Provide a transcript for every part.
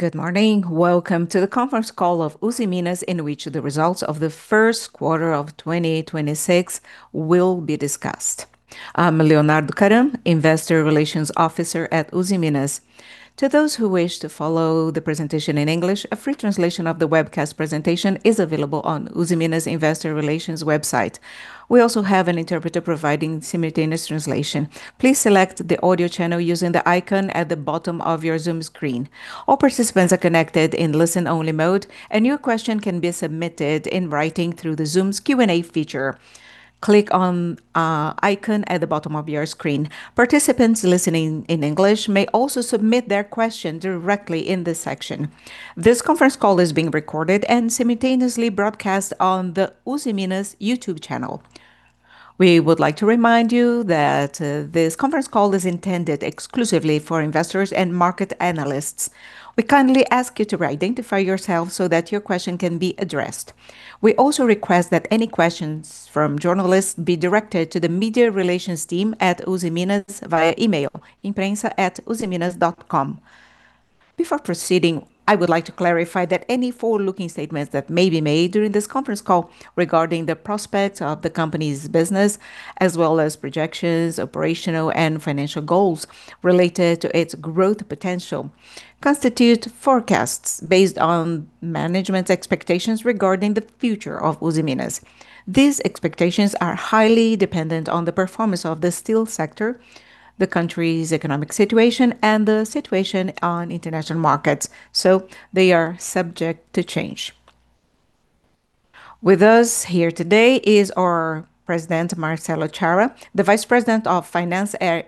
Good morning. Welcome to the conference call of Usiminas, in which the results of the first quarter of 2026 will be discussed. I'm Leonardo Karam, Investor Relations officer at Usiminas. To those who wish to follow the presentation in English, a free translation of the webcast presentation is available on Usiminas investor relations website. We also have an interpreter providing simultaneous translation. Please select the audio channel using the icon at the bottom of your Zoom screen. All participants are connected in listen-only mode, and your question can be submitted in writing through the Zoom's Q&A feature. Click on icon at the bottom of your screen. Participants listening in English may also submit their question directly in this section. This conference call is being recorded and simultaneously broadcast on the Usiminas YouTube channel. We would like to remind you that this conference call is intended exclusively for investors and market analysts. We kindly ask you to identify yourself so that your question can be addressed. We also request that any questions from journalists be directed to the media relations team at Usiminas via email, imprensa@usiminas.com. Before proceeding, I would like to clarify that any forward-looking statements that may be made during this conference call regarding the prospects of the company's business, as well as projections, operational, and financial goals related to its growth potential, constitute forecasts based on management's expectations regarding the future of Usiminas. These expectations are highly dependent on the performance of the steel sector, the country's economic situation, and the situation on international markets, so they are subject to change. With us here today is our President, Marcelo Chara, the Vice President of Finance and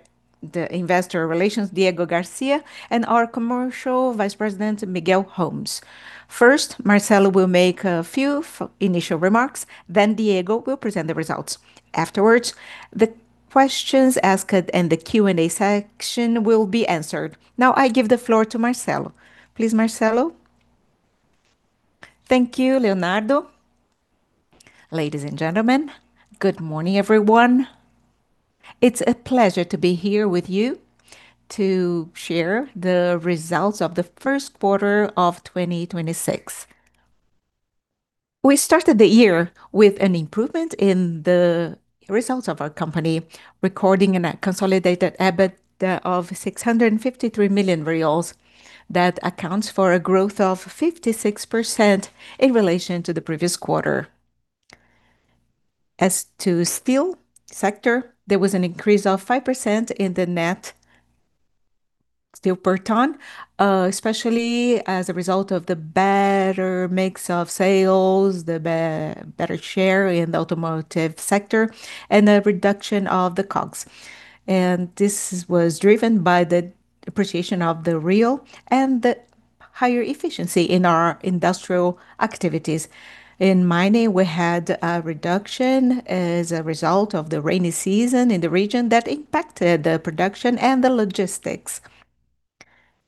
Investor Relations, Diego García, and our commercial Vice President, Miguel Homes. First, Marcelo will make a few initial remarks, then Diego will present the results. Afterwards, the questions asked and the Q&A section will be answered. Now I give the floor to Marcelo. Please, Marcelo. Thank you, Leonardo. Ladies and gentlemen, good morning, everyone. It's a pleasure to be here with you to share the results of the first quarter of 2026. We started the year with an improvement in the results of our company, recording a consolidated EBIT of 653 million reais. That accounts for a growth of 56% in relation to the previous quarter. As to steel sector, there was an increase of 5% in the net steel per ton, especially as a result of the better mix of sales, the better share in the automotive sector, and the reduction of the COGS. This was driven by the appreciation of the real and the higher efficiency in our industrial activities. In mining, we had a reduction as a result of the rainy season in the region that impacted the production and the logistics.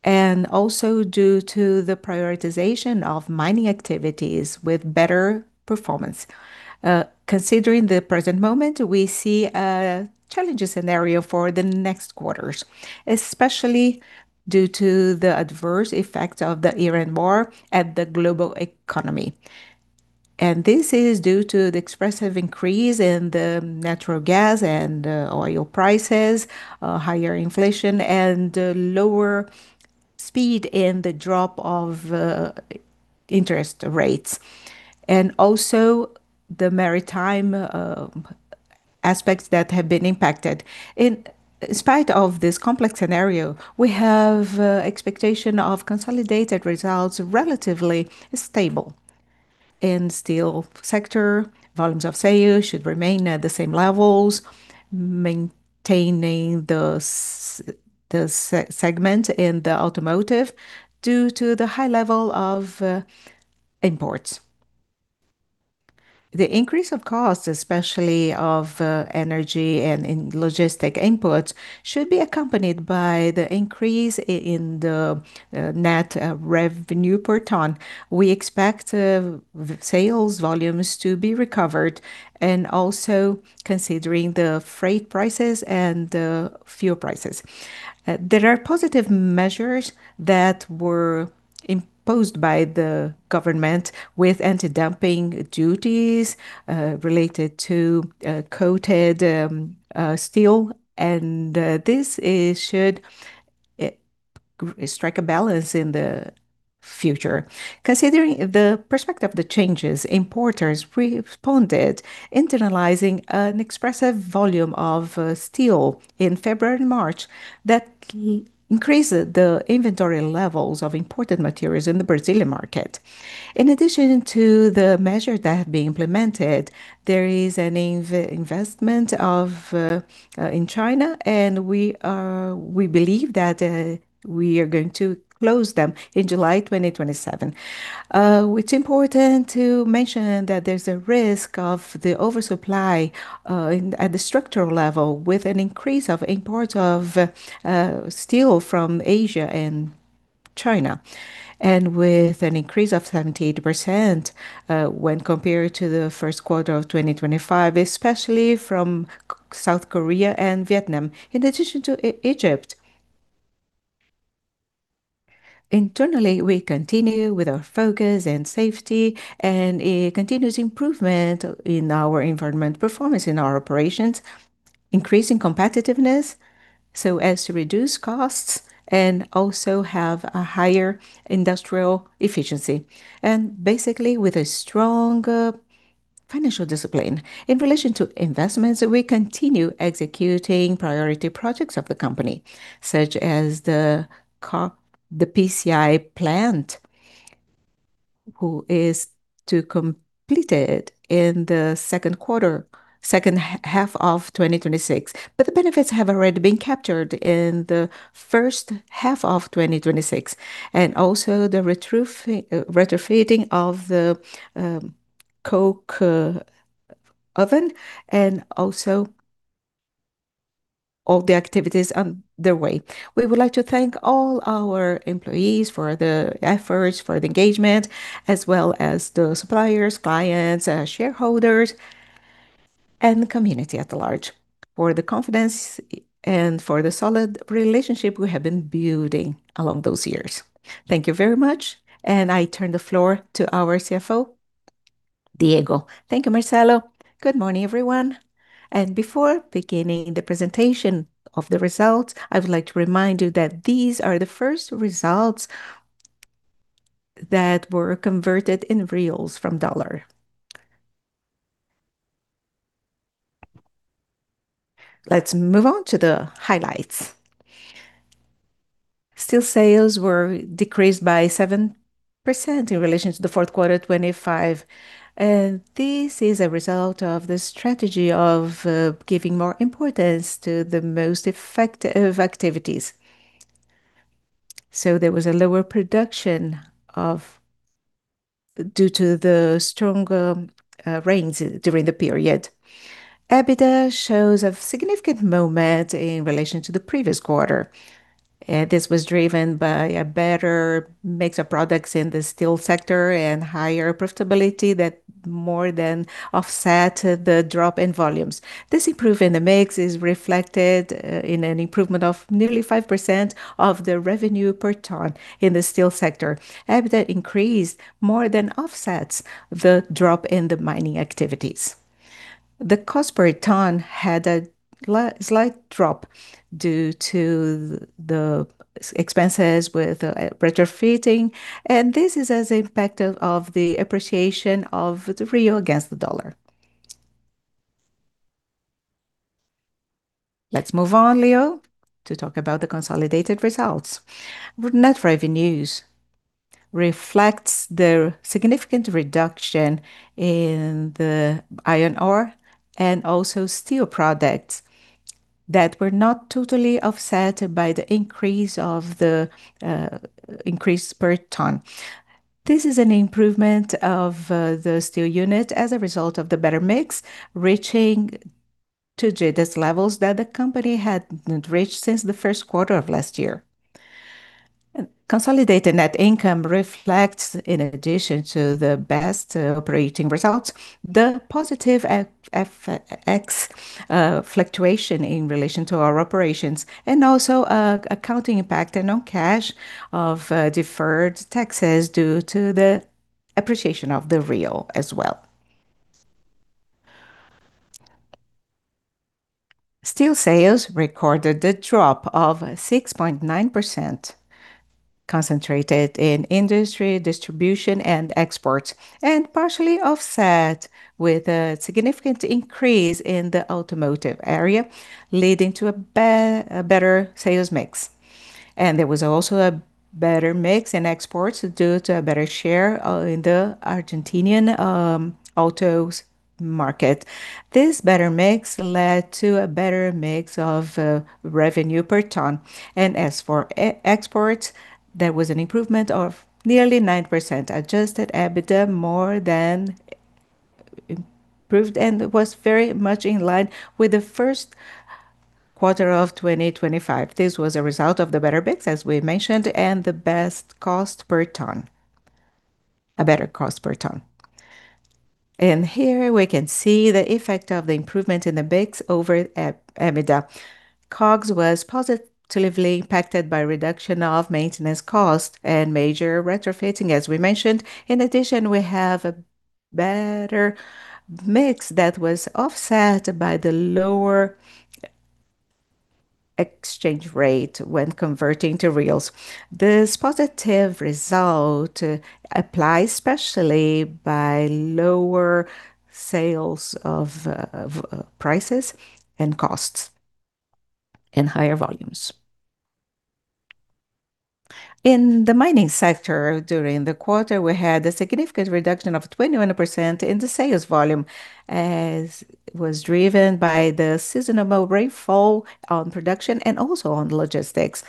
Also due to the prioritization of mining activities with better performance. Considering the present moment, we see a challenging scenario for the next quarters, especially due to the adverse effect of the Iran war at the global economy. This is due to the expressive increase in the natural gas and oil prices, higher inflation, and lower speed in the drop of interest rates, and also the maritime aspects that have been impacted. In spite of this complex scenario, we have expectation of consolidated results, relatively stable. In steel sector, volumes of sales should remain at the same levels, maintaining the segment in the automotive due to the high level of imports. The increase of costs, especially of energy and in logistic inputs, should be accompanied by the increase in the net-revenue-per ton. We expect the sales volumes to be recovered and also considering the freight prices and the fuel prices. There are positive measures that were imposed by the government with anti-dumping duties related to coated steel, and this should strike a balance in the future. Considering the perspective of the changes, importers responded, internalizing an expressive volume of steel in February and March that increased the inventory levels of imported materials in the Brazilian market. In addition to the measures that have been implemented, there is an investment in China, and we believe that we are going to close them in July 2027. It's important to mention that there's a risk of the oversupply at the structural level with an increase of imports of steel from Asia and China, and with an increase of 78% when compared to the first quarter of 2025, especially from South Korea and Vietnam, in addition to Egypt. Internally, we continue with our focus in safety and a continuous improvement in our environmental performance in our operations, increasing competitiveness so as to reduce costs and also have a higher industrial efficiency. Basically with a stronger financial discipline. In relation to investments, we continue executing priority projects of the company, such as the PCI plant, which is to completed in the second half of 2026. The benefits have already been captured in the first half of 2026, and also the retrofitting of the coke oven, and also all the activities underway. We would like to thank all our employees for the efforts, for the engagement, as well as the suppliers, clients, and shareholders and the community at large for the confidence and for the solid relationship we have been building along those years. Thank you very much, and I turn the floor to our CFO, Diego. Thank you, Marcelo. Good morning, everyone, and before beginning the presentation of the results, I would like to remind you that these are the first results that were converted into reais from dollars. Let's move on to the highlights. Steel sales decreased by 7% in relation to the fourth quarter 2025. This is a result of the strategy of giving more importance to the most effective activities. There was a lower production due to the stronger rains during the period. EBITDA shows a significant momentum in relation to the previous quarter. This was driven by a better mix of products in the steel sector and higher profitability that more than offset the drop in volumes. This improvement in the mix is reflected in an improvement of nearly 5% of the revenue per ton in the steel sector. EBITDA increase more than offsets the drop in the mining activities. The cost per ton had a slight drop due to the expenses with retrofitting, and this is an impact of the appreciation of the real against the dollar. Let's move on, Leo, to talk about the consolidated results. With net revenues reflects the significant reduction in the iron ore and also steel products that were not totally offset by the increase per ton. This is an improvement of the steel unit as a result of the better mix, reaching these levels that the company hadn't reached since the first quarter of last year. Consolidated net income reflects, in addition to the best operating results, the positive FX fluctuation in relation to our operations, and also accounting impact and non-cash of deferred taxes due to the appreciation of the real as well. Steel sales recorded a drop of 6.9%, concentrated in industry, distribution, and exports, and partially offset with a significant increase in the automotive area, leading to a better sales mix. There was also a better mix in exports due to a better share in the Argentinian autos market. This better mix led to a better mix of revenue per ton. As for exports, there was an improvement of nearly 9%. Adjusted EBITDA more than improved and was very much in line with the first quarter of 2025. This was a result of the better mix, as we mentioned, and the best cost per ton. A better cost per ton. Here we can see the effect of the improvement in the mix over EBITDA. COGS was positively impacted by reduction of maintenance cost and major retrofitting, as we mentioned. In addition, we have a better mix that was offset by the lower exchange rate when converting to reals. This positive result applies especially by lower sales prices and costs, and higher volumes. In the Mining sector during the quarter, we had a significant reduction of 21% in the sales volume, as it was driven by the seasonal rainfall on production and also on logistics.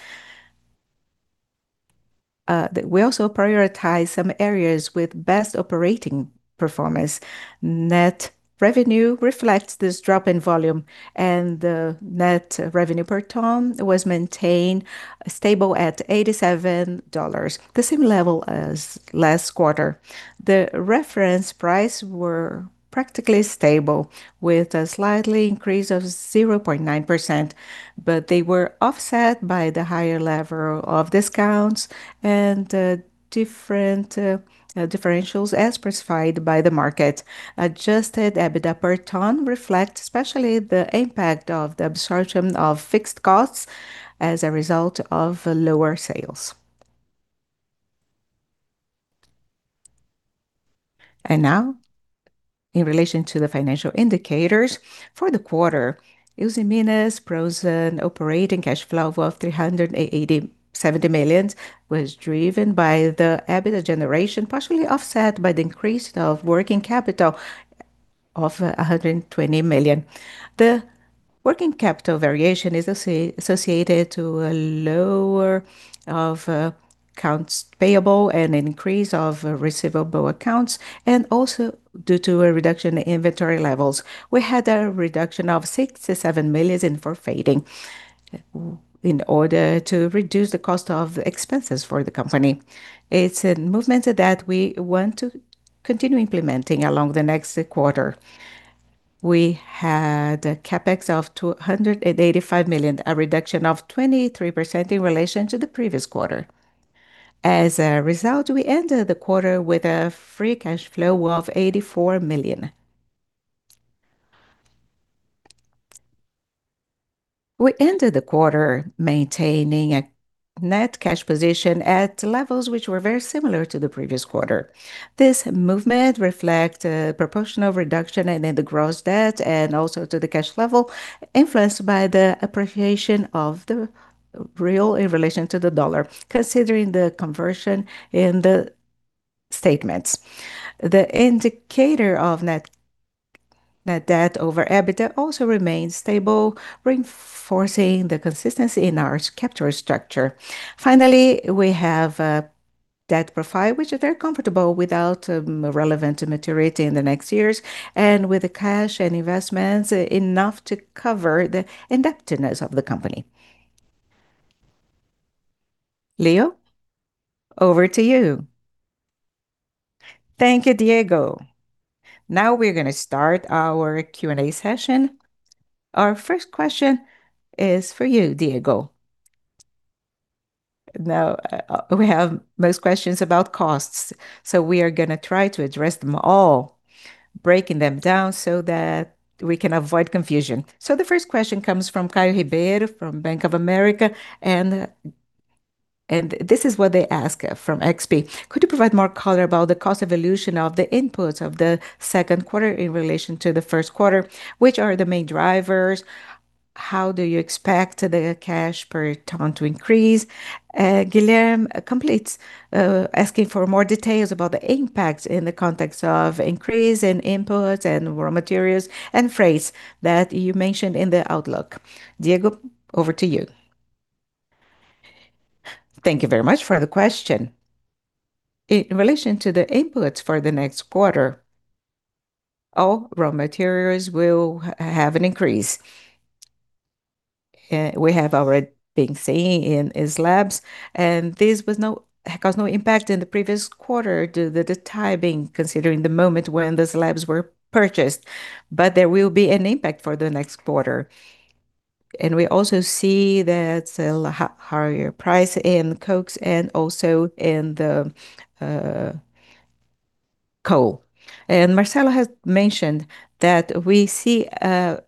We also prioritized some areas with best operating performance. Net revenue reflects this drop in volume, and the net revenue per ton was maintained stable at BRL 87, the same level as last quarter. The reference price were practically stable with a slight increase of 0.9%, but they were offset by the higher level of discounts and the differentials as specified by the market. Adjusted EBITDA per ton reflects especially the impact of the absorption of fixed costs as a result of lower sales. Now in relation to the financial indicators for the quarter, Usiminas' positive operating cash flow of 387 million was driven by the EBITDA generation, partially offset by the increase of working capital of 120 million. The working capital variation is associated to a lower of accounts payable and an increase of receivable accounts, and also due to a reduction in inventory levels. We had a reduction of 67 million in inventory in order to reduce the cost of expenses for the company. It's a movement that we want to continue implementing along the next quarter. We had CapEx of 285 million, a reduction of 23% in relation to the previous quarter. As a result, we ended the quarter with a free cash flow of 84 million. We ended the quarter maintaining a net cash position at levels which were very similar to the previous quarter. This movement reflect a proportional reduction in the gross debt and also to the cash level influenced by the appreciation of the real in relation to the dollar, considering the conversion in the statements. The indicator of net-debt-over EBITDA also remains stable, reinforcing the consistency in our capital structure. Finally, we have a debt profile, which is very comfortable without relevant maturity in the next years, and with the cash and investments enough to cover the indebtedness of the company. Leo, over to you. Thank you, Diego. Now we're going to start our Q&A session. Our first question is for you, Diego. Now, we have most questions about costs, so we are going to try to address them all, breaking them down so that we can avoid confusion. The first question comes from Caio Ribeiro from Bank of America and this is what they ask from XP. Could you provide more color about the cost evolution of the inputs of the second quarter in relation to the first quarter? Which are the main drivers? How do you expect the cash per ton to increase? Guilherme completes, asking for more details about the impacts in the context of increase in inputs and raw materials and freight that you mentioned in the outlook. Diego, over to you. Thank you very much for the question. In relation to the inputs for the next quarter, all raw materials will have an increase. We have already been seeing in slabs, and this caused no impact in the previous quarter due to the timing, considering the moment when the slabs were purchased, but there will be an impact for the next quarter. We also see that a higher price in coke and also in the coal. Marcelo has mentioned that we see an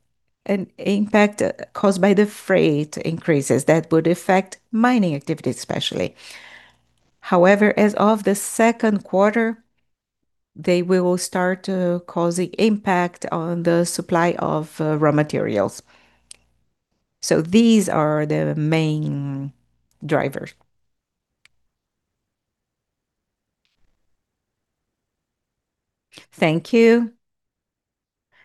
impact caused by the freight increases that would affect mining activities, especially. However, as of the second quarter, they will start to cause the impact on the supply of raw materials. These are the main drivers. Thank you.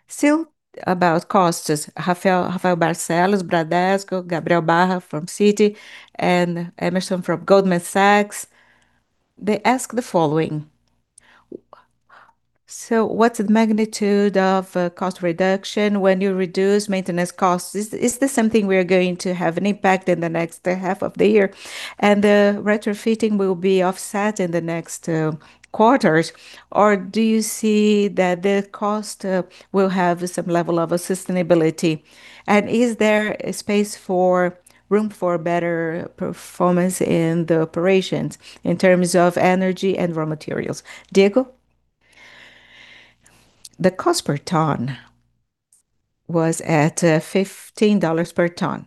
Still about costs, Rafael Barcellos, Bradesco, Gabriel Barra from Citi, and Emerson Vieira from Goldman Sachs, they ask the following. What's the magnitude of cost reduction when you reduce maintenance costs? Is this something we are going to have an impact in the next half of the year, and the retrofitting will be offset in the next quarters? Or do you see that the cost will have some level of sustainability? And is there room for better performance in the operations in terms of energy and raw materials? Diego? The cost per ton was at $15 per ton.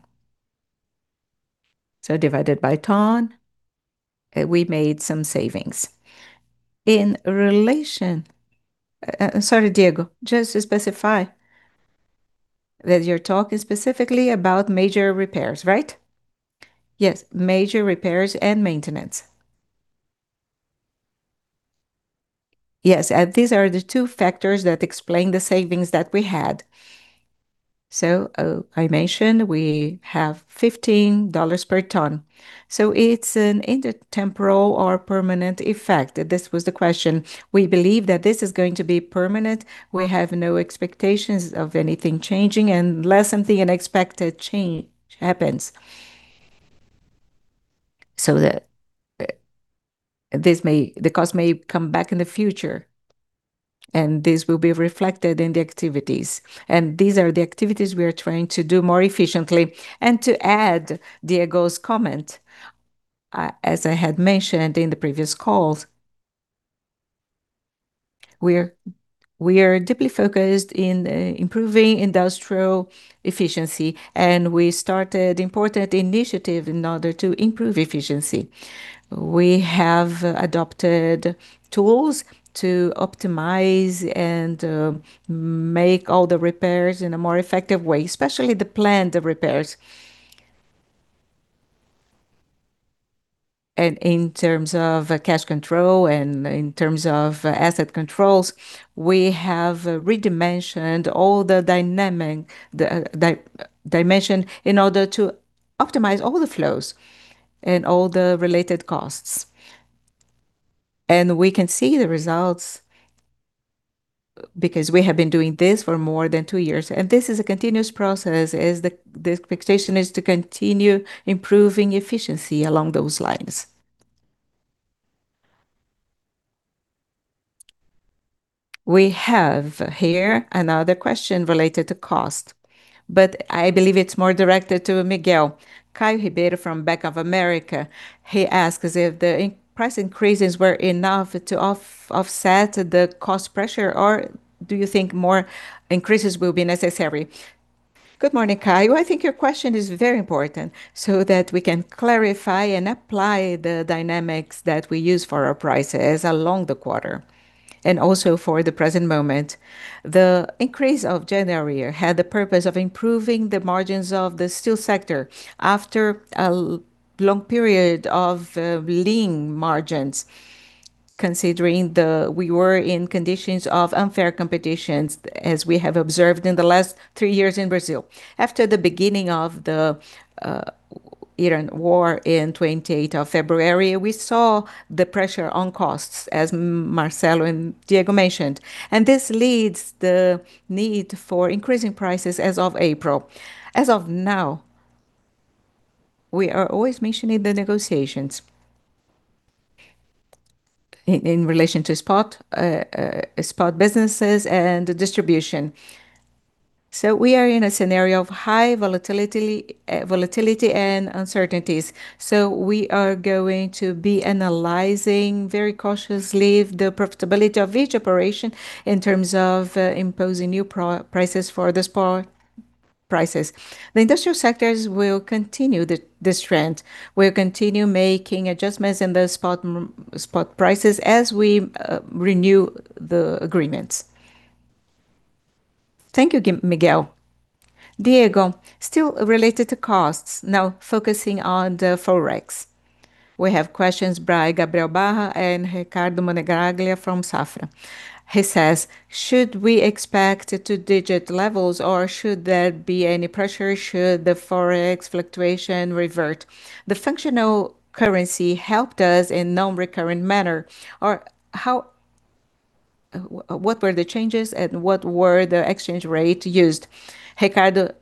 Divided by ton, we made some savings. In relation. Sorry Diego. Just to specify that you're talking specifically about major repairs, right? Yes, major repairs and maintenance. Yes, these are the two factors that explain the savings that we had. I mentioned we have $15 per ton, so it's an intertemporal or permanent effect. This was the question. We believe that this is going to be permanent. We have no expectations of anything changing unless something unexpected change happens, so the cost may come back in the future, and this will be reflected in the activities. These are the activities we are trying to do more efficiently. To add Diego's comment, as I had mentioned in the previous calls, we are deeply focused in improving industrial efficiency, and we started important initiative in order to improve efficiency. We have adopted tools to optimize and make all the repairs in a more effective way, especially the planned repairs. In terms of cash control and in terms of asset controls, we have redimensioned all the dimension in order to optimize all the flows and all the related costs. We can see the results because we have been doing this for more than two years, and this is a continuous process. The expectation is to continue improving efficiency along those lines. We have here another question related to cost, but I believe it's more directed to Miguel. Caio Ribeiro from Bank of America. He asks if the price increases were enough to offset the cost pressure, or do you think more increases will be necessary? Good morning, Caio. I think your question is very important so that we can clarify and apply the dynamics that we use for our prices along the quarter and also for the present moment. The increase of January had the purpose of improving the margins of the steel sector after a long period of lean margins, considering we were in conditions of unfair competitions, as we have observed in the last three years in Brazil. After the beginning of the Iran war on February 28, we saw the pressure on costs, as Marcelo and Diego mentioned, and this leads the need for increasing prices as of April. As of now, we are always mentioning the negotiations in relation to spot businesses and distribution. We are in a scenario of high volatility and uncertainties. We are going to be analyzing very cautiously the profitability of each operation in terms of imposing new prices for the spot prices. The industrial sectors will continue this trend. We'll continue making adjustments in the spot prices as we renew the agreements. Thank you, Miguel. Diego, still related to costs, now focusing on the Forex. We have questions by Gabriel Barra and Ricardo Monegaglia from Safra. He says, Should we expect two-digit levels, or should there be any pressure should the Forex fluctuation revert? The functional currency helped us in non-recurrent manner. What were the changes and what were the exchange rate used? Ricardo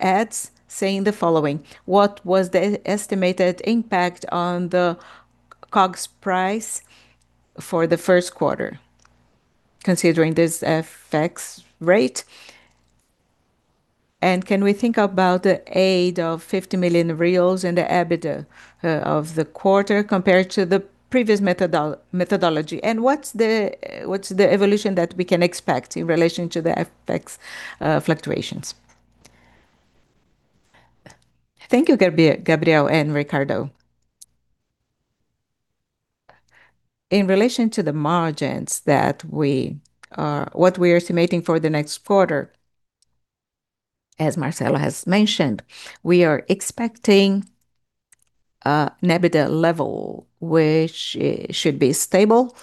adds, saying the following: What was the estimated impact on the COGS price for the first quarter, considering this FX rate? And can we think about the add of 50 million reais in the EBITDA of the quarter compared to the previous methodology? And what's the evolution that we can expect in relation to the FX fluctuations? Thank you, Gabriel and Ricardo. In relation to the margins that what we are estimating for the next quarter, as Marcelo has mentioned, we are expecting an EBITDA level which should be stable,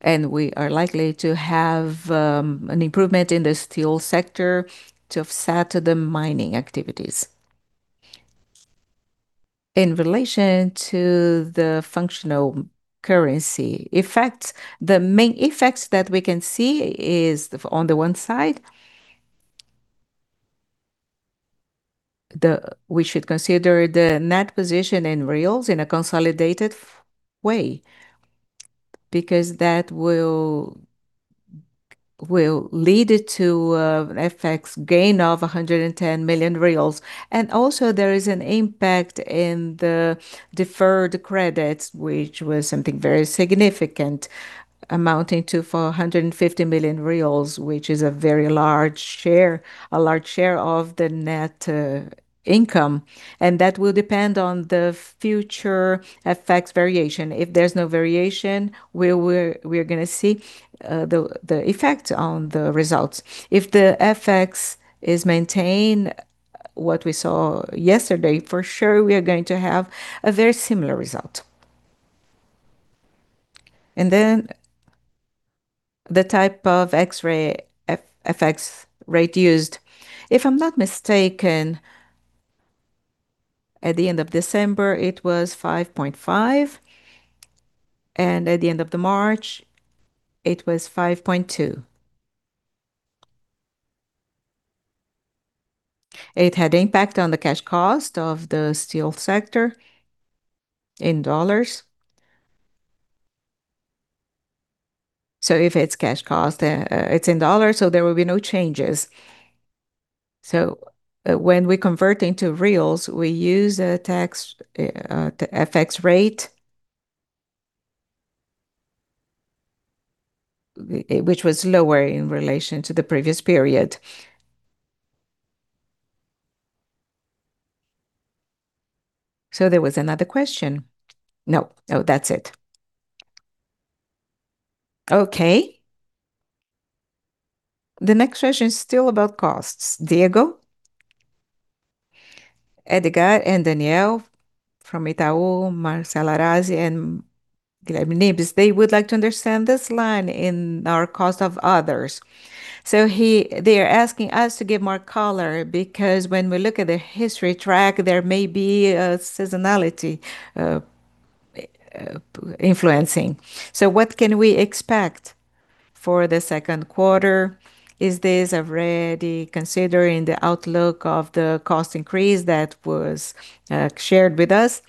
and we are likely to have an improvement in the steel sector to offset the mining activities. In relation to the functional currency effects, the main effects that we can see is, on the one side, we should consider the net position in reals in a consolidated way, because that will lead to FX gain of 110 million reais. Also there is an impact in the deferred credits, which was something very significant, amounting to 450 million reais, which is a very large share of the net income, and that will depend on the future FX variation. If there's no variation, we're going to see the effect on the results. If the FX is maintained, what we saw yesterday, for sure we are going to have a very similar result. The type of exchange rate used. If I'm not mistaken, at the end of December it was 5.5, and at the end of March it was 5.2. It had impact on the cash cost of the steel sector in dollars. If it's cash cost, it's in dollars, so there will be no changes. When we're converting to reals, we use the FX rate, which was lower in relation to the previous period. There was another question. No, no, that's it. Okay. The next question is still about costs. Diego, Edgar, and Danielle from Itaú, Marcelo Arazi, and Gleb Nebis would like to understand this line in our cost of others. They are asking us to give more color because when we look at the history track, there may be a seasonality influencing. What can we expect for the second quarter? Is this already considering the outlook of the cost increase that was shared with us?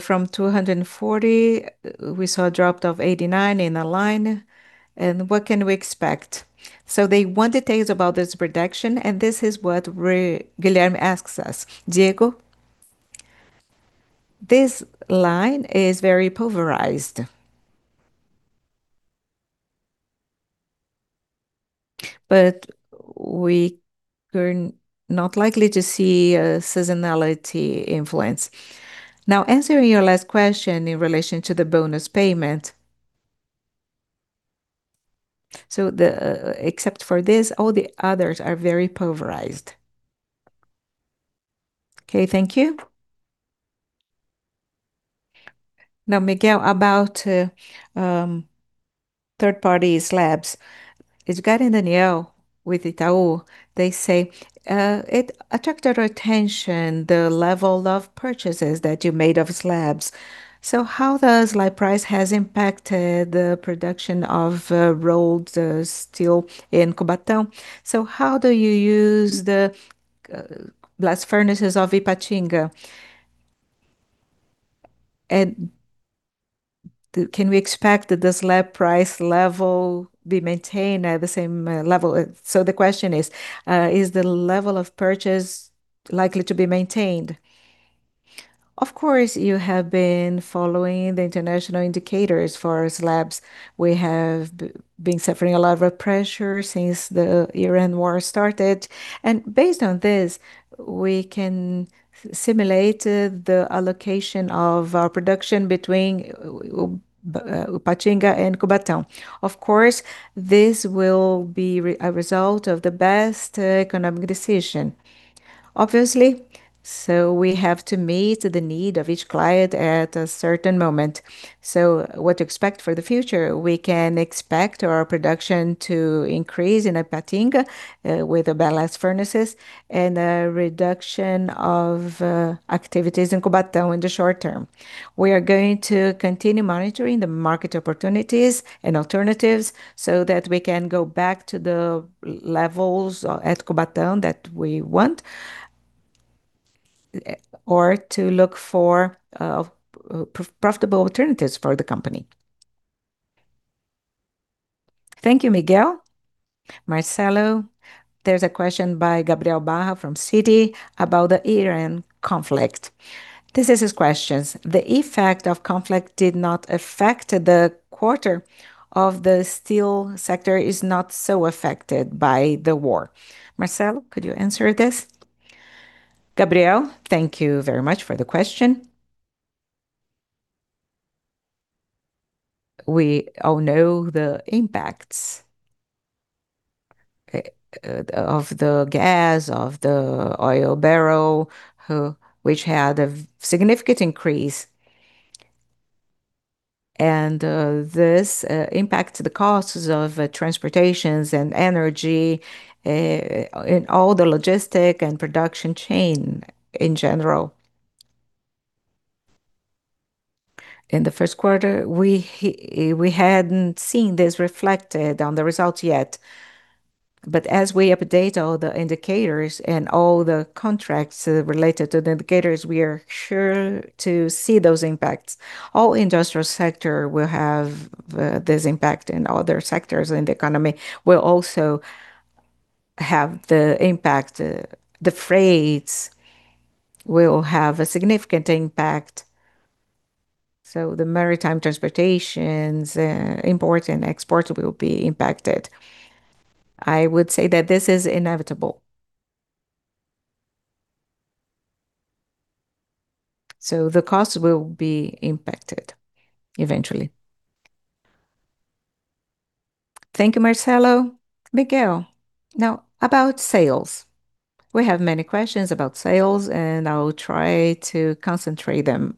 From 240, we saw a drop of 89 in a line and what can we expect? They want details about this reduction and this is what Guilherme asks us. Diego? This line is very pulverized. We are not likely to see a seasonality influence. Now answering your last question in relation to the bonus payment. Except for this, all the others are very pulverized. Okay, thank you. Now Miguel, about third party slabs. It's got in the news with Itaú, they say, it attracted attention the level of purchases that you made of slabs. How has slab price impacted the production of rolled steel in Cubatão? How do you use the blast furnaces of Ipatinga, and can we expect that the slab price level be maintained at the same level? The question is the level of prices likely to be maintained? Of course, you have been following the international indicators for slabs. We have been suffering a lot of pressure since the Iran war started. Based on this, we can simulate the allocation of our production between Ipatinga and Cubatão. Of course, this will be a result of the best economic decision. Obviously, we have to meet the need of each client at a certain moment. What to expect for the future, we can expect our production to increase in Ipatinga with the blast furnaces and a reduction of activities in Cubatão in the short term. We are going to continue monitoring the market opportunities and alternatives so that we can go back to the levels at Cubatão that we want or to look for profitable alternatives for the company. Thank you, Miguel. Marcelo, there's a question by Gabriel Barra from Citi about the Iran conflict. This is his questions. The effect of conflict did not affect the quarter of the steel sector is not so affected by the war. Marcelo, could you answer this? Gabriel, thank you very much for the question. We all know the impacts of the gas, of the oil barrel, which had a significant increase. This impacts the costs of transportations and energy in all the logistic and production chain in general. In the first quarter, we hadn't seen this reflected on the results yet. As we update all the indicators and all the contracts related to the indicators, we are sure to see those impacts. All industrial sector will have this impact, and other sectors in the economy will also have the impact. The freights will have a significant impact. The maritime transportations, imports and exports will be impacted. I would say that this is inevitable. The cost will be impacted eventually. Thank you, Marcelo. Miguel, now about sales. We have many questions about sales, and I will try to concentrate them.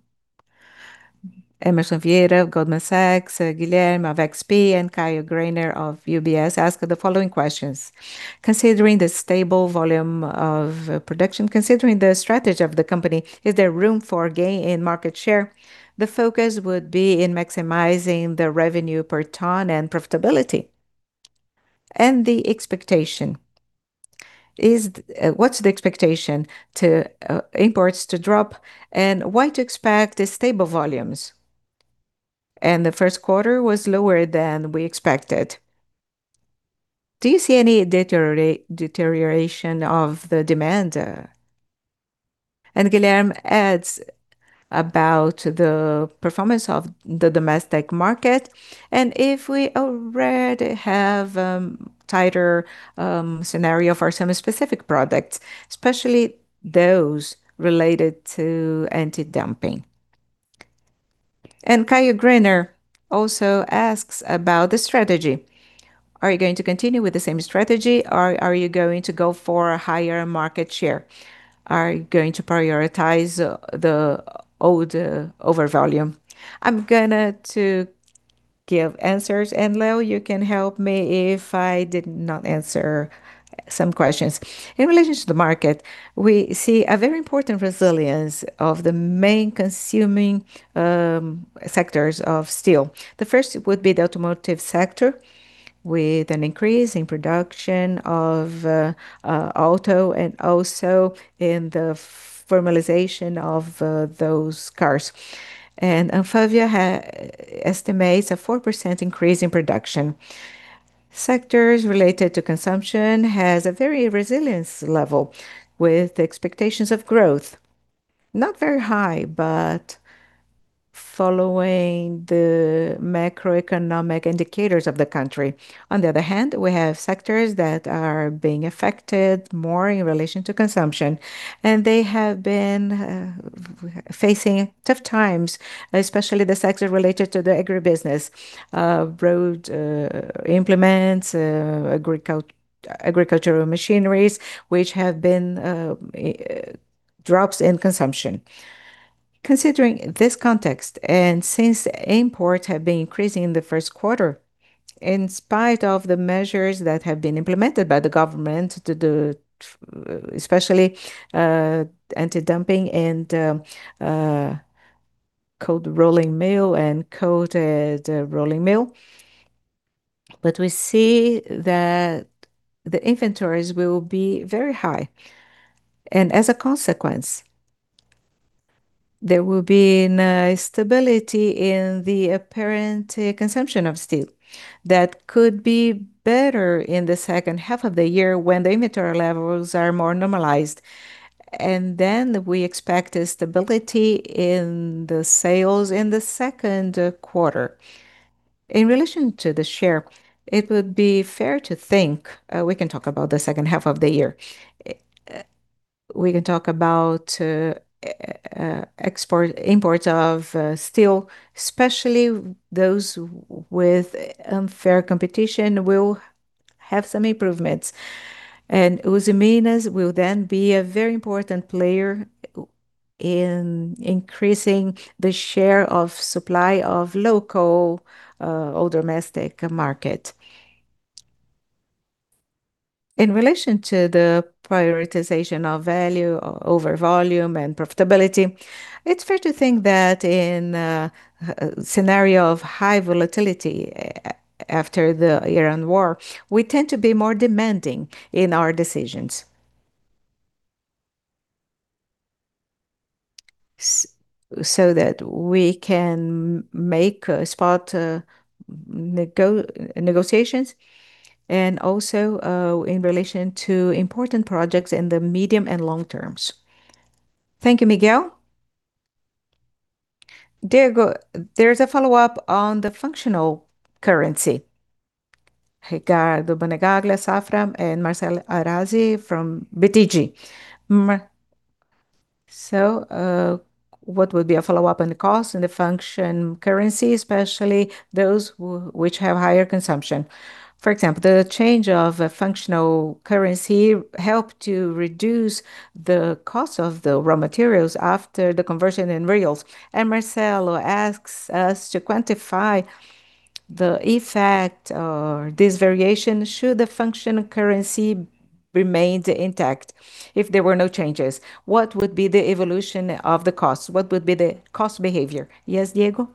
Emerson Vieira of Goldman Sachs, Guilherme of XP, and Caio Graner of UBS ask the following questions: Considering the stable volume of production, considering the strategy of the company, is there room for gain in market share? The focus would be in maximizing the revenue per ton and profitability. The expectation. What's the expectation to imports to drop and why to expect stable volumes? The first quarter was lower than we expected. Do you see any deterioration of the demand? Guilherme adds about the performance of the domestic market, and if we already have a tighter scenario for some specific products, especially those related to anti-dumping. Caio Graner also asks about the strategy. Are you going to continue with the same strategy, or are you going to go for a higher market share? Are you going to prioritize the old over volume? I'm going to give answers, and Leo, you can help me if I did not answer some questions. In relation to the market, we see a very important resilience of the main consuming sectors of steel. The first would be the automotive sector, with an increase in production of auto and also in the formalization of those cars. ANFAVEA estimates a 4% increase in production. Sectors related to consumption has a very resilient level with the expectations of growth. Not very high, but following the macroeconomic indicators of the country. On the other hand, we have sectors that are being affected more in relation to consumption, and they have been facing tough times, especially the sector related to the agribusiness. Road implements, agricultural machineries, which have seen drops in consumption. Considering this context, and since imports have been increasing in the first quarter, in spite of the measures that have been implemented by the government, especially anti-dumping and cold rolling mill and coated rolling mill, but we see that the inventories will be very high. As a consequence, there will be instability in the apparent consumption of steel that could be better in the second half of the year when the inventory levels are more normalized. Then we expect a stability in the sales in the second quarter. In relation to the share, it would be fair to think we can talk about the second half of the year. We can talk about import of steel, especially those with unfair competition will have some improvements. Usiminas will then be a very important player in increasing the share of supply of local or domestic market. In relation to the prioritization of value over volume and profitability, it's fair to think that in a scenario of high volatility after the Iran war, we tend to be more demanding in our decisions, so that we can make spot negotiations and also in relation to important projects in the medium and long terms. Thank you, Miguel. Diego, there's a follow-up on the functional currency. Ricardo Banega, Aglis, Afram, and Marcelo Arazi from BTG. What would be a follow-up on the cost and the functional currency, especially those which have higher consumption. For example, the change of a functional currency helped to reduce the cost of the raw materials after the conversion in reais. Marcelo asks us to quantify the effect or this variation should the functional currency remain intact. If there were no changes, what would be the evolution of the cost? What would be the cost behavior? Yes, Diego.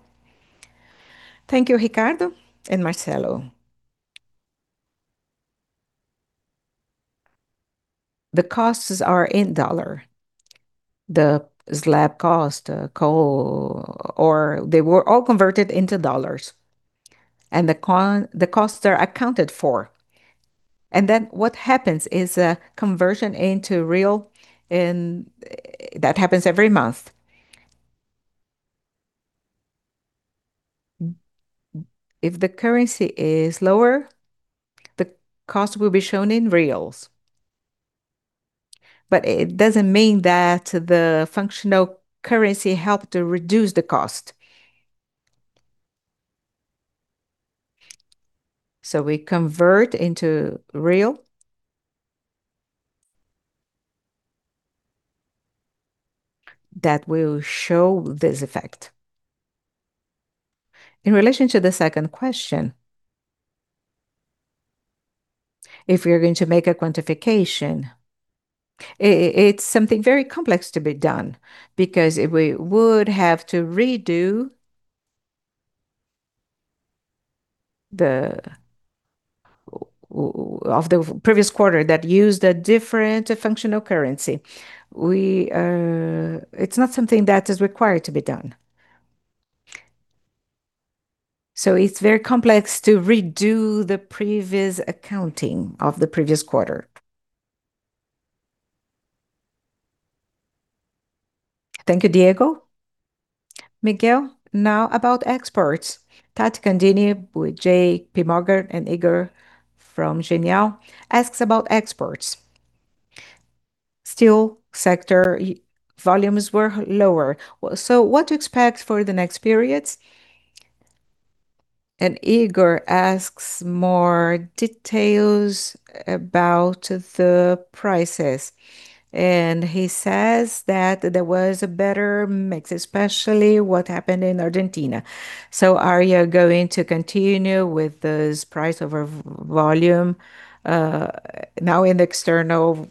Thank you, Ricardo and Marcelo. The costs are in dollar. The slab cost, coal, they were all converted into dollars. The costs are accounted for. Then what happens is a conversion into real, and that happens every month. If the currency is lower, the cost will be shown in reals. It doesn't mean that the functional currency helped to reduce the cost. We convert into real, that will show this effect. In relation to the second question, if we are going to make a quantification, it's something very complex to be done, because we would have to redo the previous quarter that used a different functional currency. It's not something that is required to be done. It's very complex to redo the previous accounting of the previous quarter. Thank you, Diego. Miguel, now about exports. Tati Candini with JPMorgan and Igor Guedes from Genial asks about exports. Steel sector volumes were lower. What to expect for the next periods? Igor asks more details about the prices. He says that there was a better mix, especially what happened in Argentina. Are you going to continue with this price over volume now in the external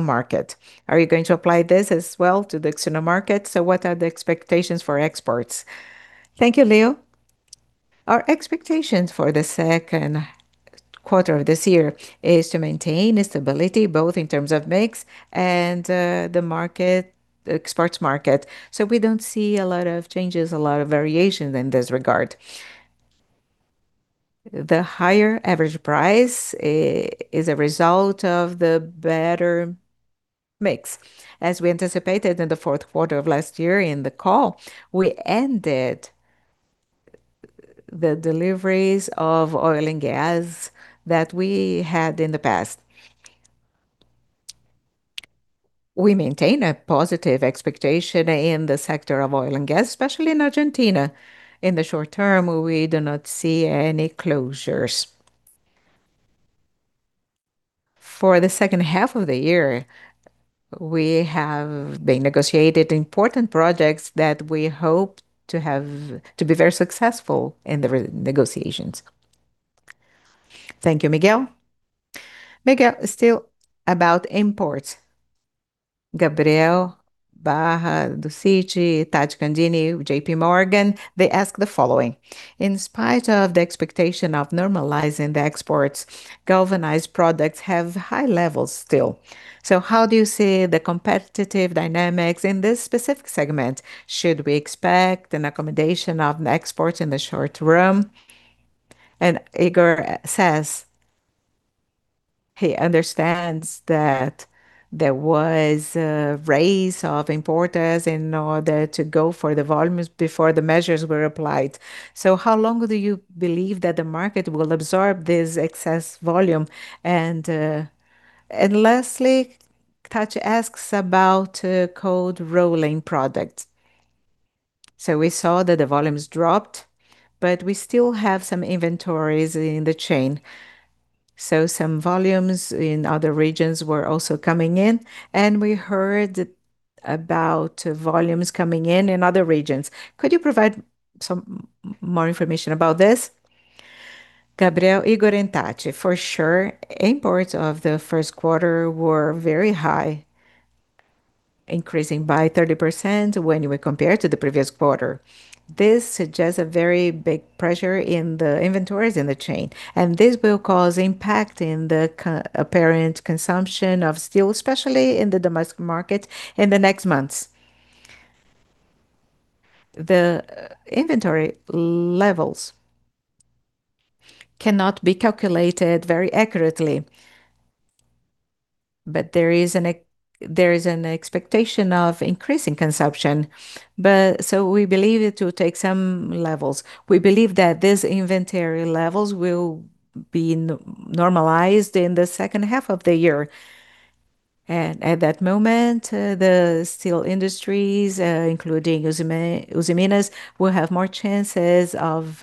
market? Are you going to apply this as well to the external market? What are the expectations for exports? Thank you, Leo. Our expectations for the second quarter of this year is to maintain stability both in terms of mix and the exports market. We don't see a lot of changes, a lot of variations in this regard. The higher average price is a result of the better mix. As we anticipated in the fourth quarter of last year in the call, we ended the deliveries of oil and gas that we had in the past. We maintain a positive expectation in the sector of oil and gas, especially in Argentina. In the short term, we do not see any closures. For the second half of the year, we have been negotiating important projects that we hope to be very successful in the negotiations. Thank you, Miguel. Miguel, still about imports. Gabriel Barra, Citi, Tati Candini, JPMorgan, they ask the following: In spite of the expectation of normalizing the exports, galvanized products have high levels still. So how do you see the competitive dynamics in this specific segment? Should we expect an accommodation of exports in the short term? Igor says he understands that there was a raise of importers in order to go for the volumes before the measures were applied. How long do you believe that the market will absorb this excess volume? Lastly, Tati asks about cold rolling products. We saw that the volumes dropped, but we still have some inventories in the chain. Some volumes in other regions were also coming in, and we heard about volumes coming in in other regions. Could you provide some more information about this? Gabriel, Igor, and Tati, for sure, imports of the first quarter were very high, increasing by 30% when we compare to the previous quarter. This suggests a very big pressure in the inventories in the chain, and this will cause impact in the apparent consumption of steel, especially in the domestic market in the next months. The inventory levels cannot be calculated very accurately, but there is an expectation of increasing consumption. We believe it will take some levels. We believe that these inventory levels will be normalized in the second half of the year. At that moment, the steel industries, including Usiminas, will have more chances of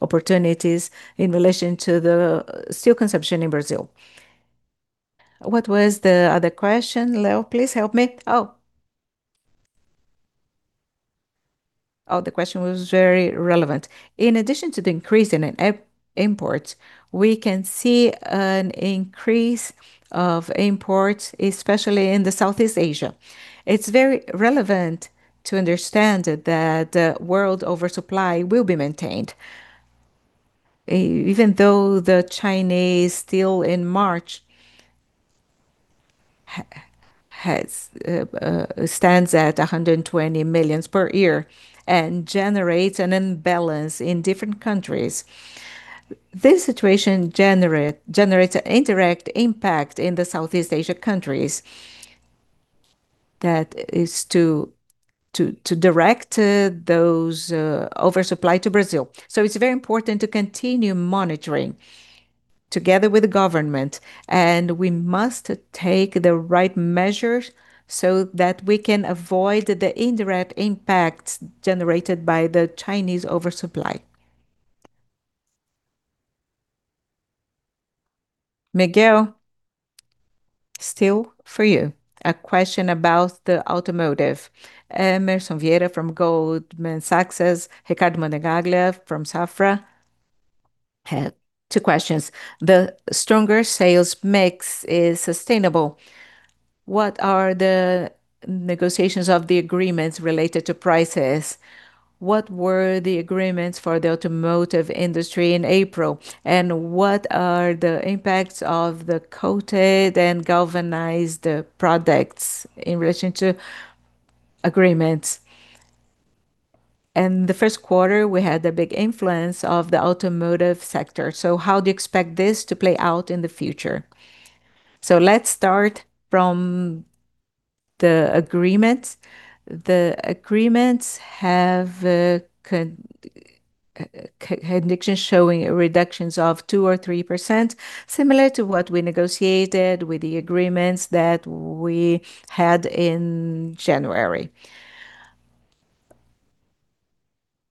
opportunities in relation to the steel consumption in Brazil. What was the other question, Leo? Please help me. The question was very relevant. In addition to the increase in imports, we can see an increase of imports, especially in Southeast Asia. It's very relevant to understand that the world oversupply will be maintained, even though the Chinese steel in March stands at 120 million per year and generates an imbalance in different countries. This situation generates an indirect impact in the Southeast Asia countries. That is to direct those oversupply to Brazil. It's very important to continue monitoring together with the government, and we must take the right measures so that we can avoid the indirect impacts generated by the Chinese oversupply. Miguel, still for you, a question about the automotive. Emerson Vieira from Goldman Sachs, Ricardo Monegaglia from Safra had two questions. The stronger sales mix is sustainable. What are the negotiations of the agreements related to prices? What were the agreements for the automotive industry in April, and what are the impacts of the coated and galvanized products in relation to agreements? In the first quarter, we had the big influence of the automotive sector. How do you expect this to play out in the future? Let's start from the agreements. The agreements have indications showing reductions of 2% or 3%, similar to what we negotiated with the agreements that we had in January.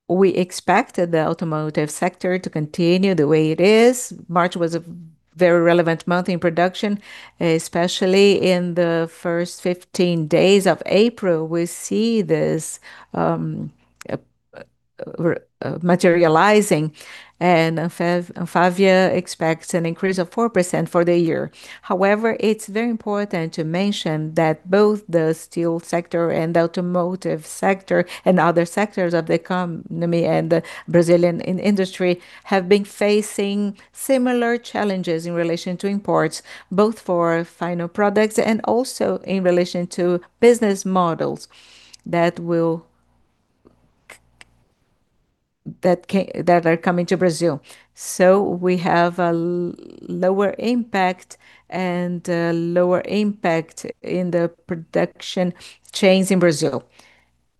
We expected the automotive sector to continue the way it is. March was a very relevant month in production, especially in the first 15 days of April. We see this materializing, and ANFAVEA expects an increase of 4% for the year. However, it's very important to mention that both the steel sector and the automotive sector and other sectors of the economy and the Brazilian industry have been facing similar challenges in relation to imports, both for final products and also in relation to business models that are coming to Brazil. We have a lower impact and lower impact in the production chains in Brazil.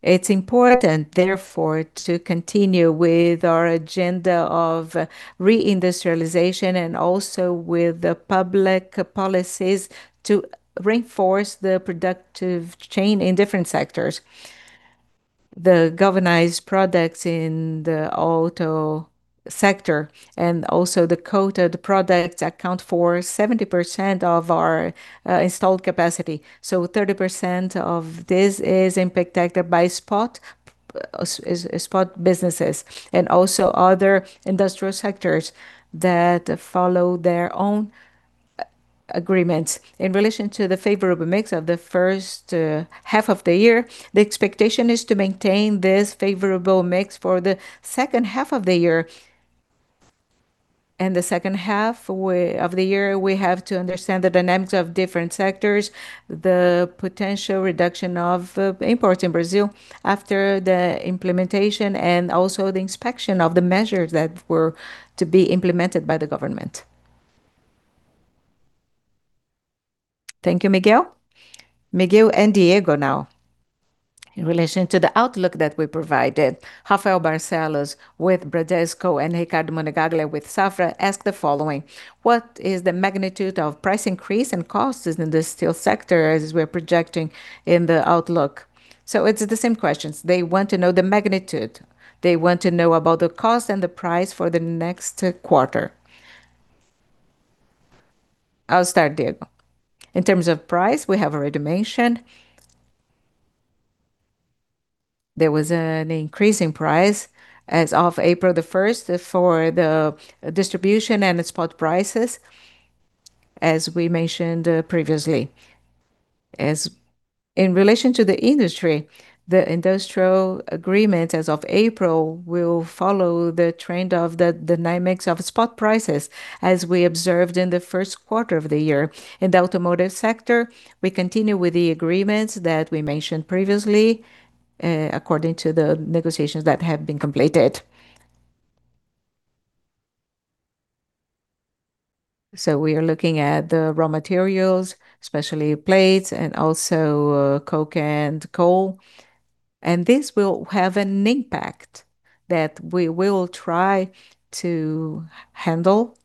It's important, therefore, to continue with our agenda of re-industrialization and also with the public policies to reinforce the productive chain in different sectors. The galvanized products in the auto sector and also the coated products account for 70% of our installed capacity. 30% of this is impacted by spot businesses and also other industrial sectors that follow their own agreements. In relation to the favorable mix of the first half of the year, the expectation is to maintain this favorable mix for the second half of the year. In the second half of the year, we have to understand the dynamics of different sectors, the potential reduction of imports in Brazil after the implementation, and also the inspection of the measures that were to be implemented by the government. Thank you, Miguel. Miguel and Diego now. In relation to the outlook that we provided, Rafael Barcellos with Bradesco and Ricardo Monegaglia with Safra ask the following, what is the magnitude of price increase and costs in the steel sector as we're projecting in the outlook? It's the same questions. They want to know the magnitude. They want to know about the cost and the price for the next quarter. I'll start, Diego. In terms of price, we have already mentioned there was an increase in price as of April the 1st for the distribution and the spot prices, as we mentioned previously. In relation to the industry, the industrial agreement as of April will follow the trend of the dynamics of spot prices as we observed in the first quarter of the year. In the automotive sector, we continue with the agreements that we mentioned previously, according to the negotiations that have been completed. We are looking at the raw materials, especially plates and also coke and coal. This will have an impact that we will try to handle.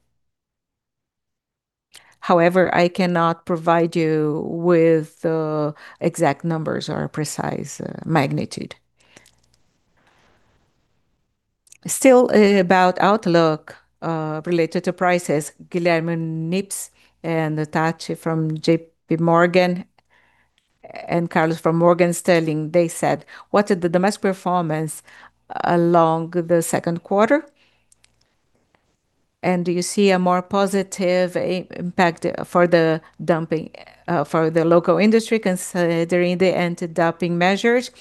However, I cannot provide you with the exact numbers or precise magnitude. Still about outlook, related to prices, Guilherme Nippes and Tatifrom JPMorgan and Carlos from Morgan Stanley, they said, What is the domestic performance in the second quarter, and do you see a more positive impact for the local industry considering the anti-dumping measures?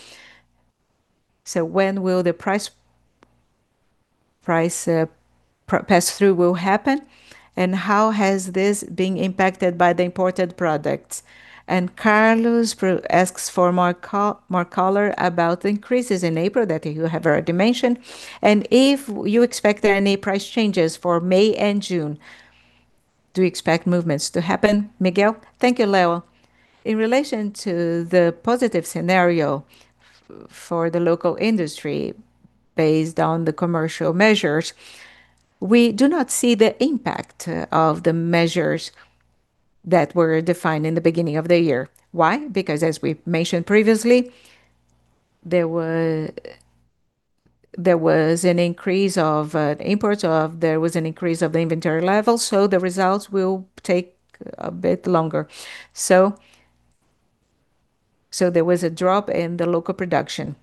So when will the price pass-through will happen, and how has this been impacted by the imported products? Carlos asks for more color about the increases in April that you have already mentioned and if you expect any price changes for May and June. Do you expect movements to happen, Miguel? Thank you, Leo. In relation to the positive scenario for the local industry based on the commercial measures, we do not see the impact of the measures that were defined in the beginning of the year. Why? Because as we mentioned previously, there was an increase of imports, there was an increase of the inventory level, so the results will take a bit longer. There was a drop in the local production.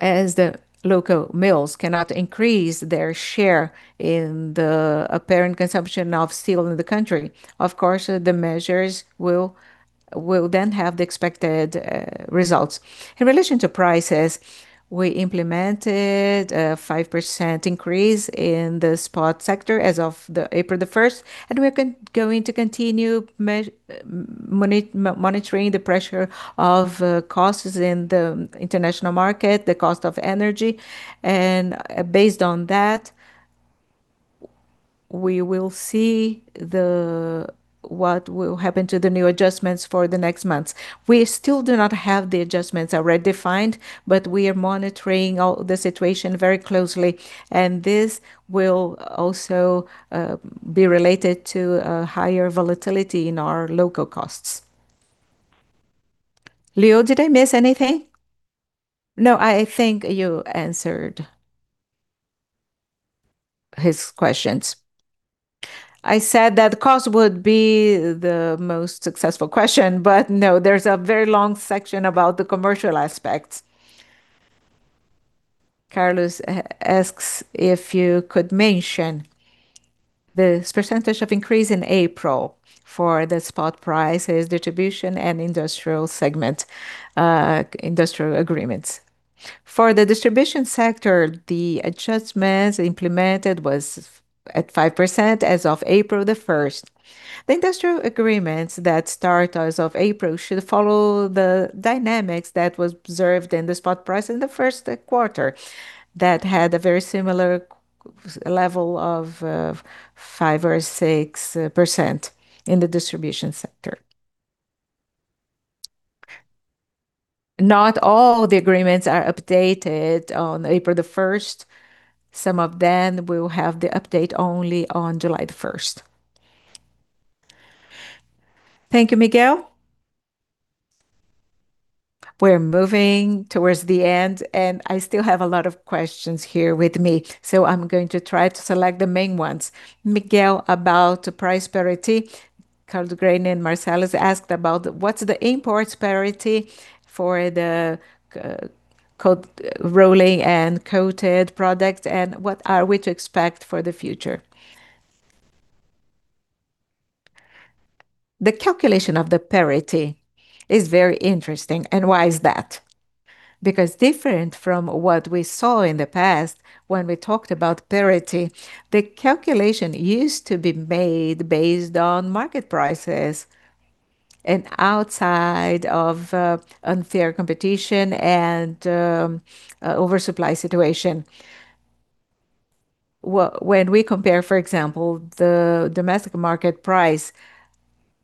As the local mills cannot increase their share in the apparent consumption of steel in the country, of course, the measures will then have the expected results. In relation to prices, we implemented a 5% increase in the spot sector as of April the 1st, and we are going to continue monitoring the pressure of costs in the international market, the cost of energy, and based on that, we will see what will happen to the new adjustments for the next months. We still do not have the adjustments already defined, but we are monitoring the situation very closely, and this will also be related to a higher volatility in our local costs. Leo, did I miss anything? No, I think you answered his questions.I said that cost would be the most successful question, but no, there's a very long section about the commercial aspects. Carlos asks if you could mention the percentage of increase in April for the spot prices distribution and industrial segment, industrial agreements. For the distribution sector, the adjustments implemented was at 5% as of April the 1st. The industrial agreements that start as of April should follow the dynamics that was observed in the spot price in the first quarter that had a very similar level of 5% or 6% in the distribution sector. Not all the agreements are updated on April the 1st. Some of them will have the update only on July the 1st. Thank you, Miguel. We're moving towards the end, and I still have a lot of questions here with me, so I'm going to try to select the main ones. Miguel, about price parity. Caio Graner and Marcelo asked about what's the import parity for the cold rolling and coated product, and what are we to expect for the future? The calculation of the parity is very interesting. Why is that? Because different from what we saw in the past when we talked about parity, the calculation used to be made based on market prices and outside of unfair competition and oversupply situation. When we compare, for example, the domestic market price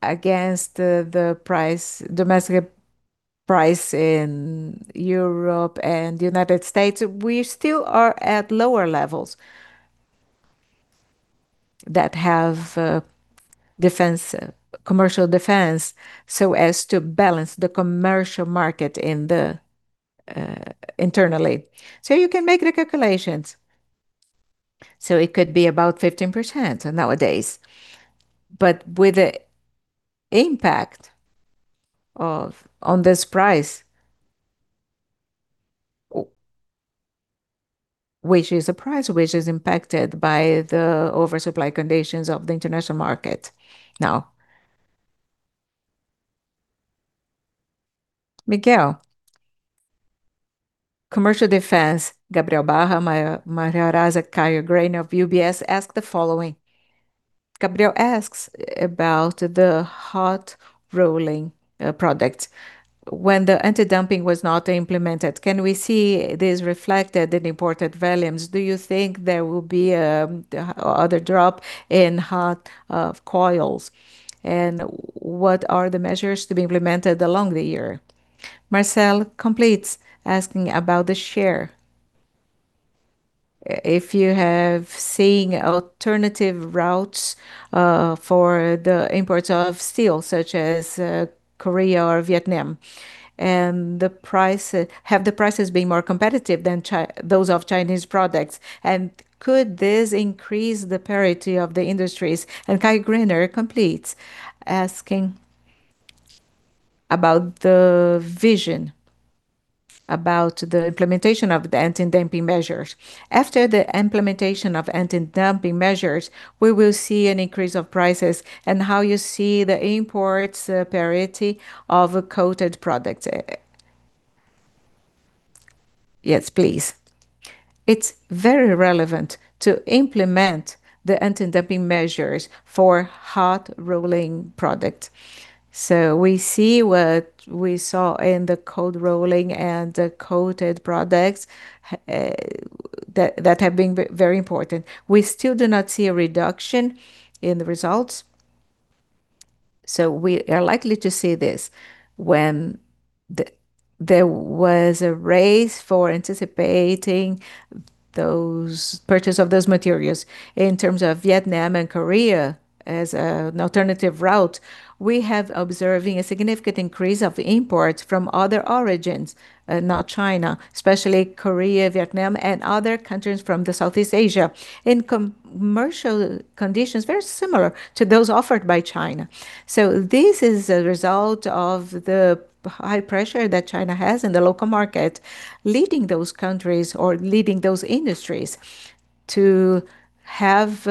against the domestic price in Europe and United States, we still are at lower levels that have commercial defense so as to balance the commercial market internally. You can make the calculations. It could be about 15% nowadays, but with the impact on this price, which is a price which is impacted by the oversupply conditions of the international market now. Miguel, commercial defense. Gabriel Barra, [Marcelo Arazi], Caio Graner of UBS ask the following. Gabriel asks about the hot rolling products. When the anti-dumping was not implemented, can we see this reflected in imported volumes? Do you think there will be other drop in hot coils, and what are the measures to be implemented along the year? Marcel completes, asking about the share. If you have seen alternative routes for the imports of steel, such as Korea or Vietnam, and have the prices been more competitive than those of Chinese products, and could this increase the parity of the industries? Caio Graner completes, asking about the vision about the implementation of the anti-dumping measures. After the implementation of anti-dumping measures, we will see an increase of prices and how you see the import parity of a coated product. Yes, please. It's very relevant to implement the anti-dumping measures for hot rolling product. We see what we saw in the cold rolling and the coated products that have been very important. We still do not see a reduction in the results. We are likely to see this when there was a race for anticipating those purchases of those materials in terms of Vietnam and Korea as an alternative route. We have been observing a significant increase of imports from other origins, not China, especially Korea, Vietnam, and other countries from Southeast Asia in commercial conditions very similar to those offered by China. This is a result of the high pressure that China has in the local market, leading those countries or leading those industries to have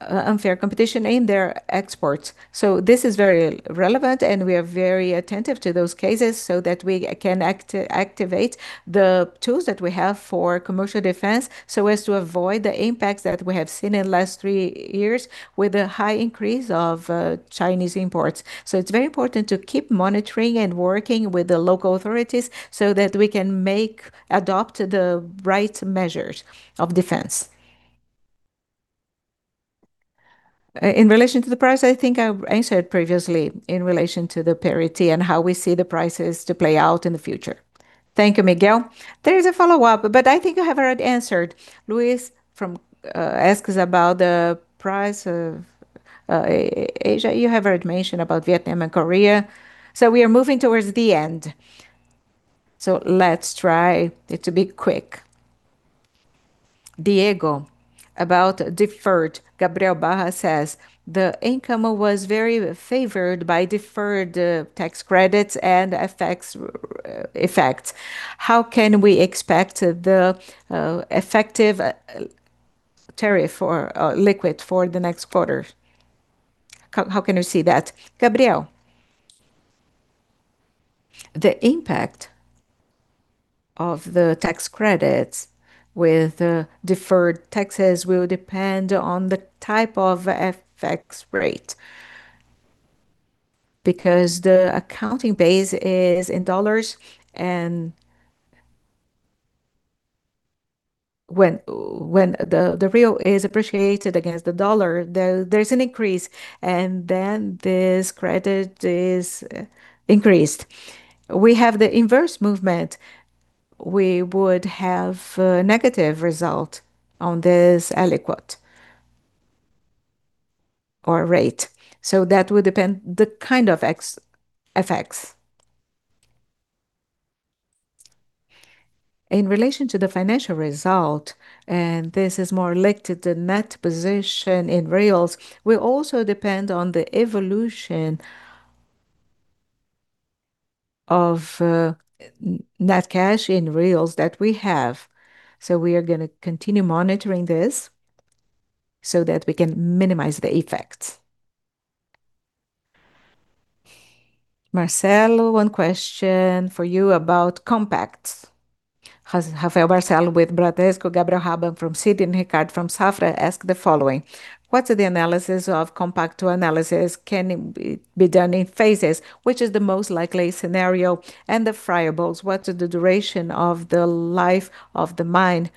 unfair competition in their exports. This is very relevant, and we are very attentive to those cases so that we can activate the tools that we have for commercial defense, so as to avoid the impacts that we have seen in last three years with a high increase of Chinese imports. It's very important to keep monitoring and working with the local authorities so that we can adopt the right measures of defense. In relation to the price, I think I answered previously in relation to the parity and how we see the prices to play out in the future. Thank you, Miguel. There is a follow-up, but I think you have already answered. Luis asks about the price of Asia. You have already mentioned about Vietnam and Korea. We are moving towards the end. Let's try to be quick. Diego about deferred. Gabriel Barra says, The income was very favored by deferred tax credits and effects. How can we expect the effective tax rate for Q1 for the next quarter? How can you see that? Gabriel. The impact of the tax credits with the deferred taxes will depend on the type of FX rate, because the accounting base is in dollars. When the real is appreciated against the dollar, there's an increase, and then this credit is increased. We have the inverse movement. We would have a negative result on this alíquota or rate. That would depend the kind of FX. In relation to the financial result, and this is more related to net position in reals, will also depend on the evolution of net cash in reals that we have. We are going to continue monitoring this so that we can minimize the effects. Marcelo, one question for you about Compact. Rafael Barcellos with Bradesco, Gabriel Haberk from Citi, Ricardo from Safra ask the following: What's the analysis of Compacto? Analysis can be done in phases. Which is the most likely scenario? And the friables, what's the duration of the life of the mine?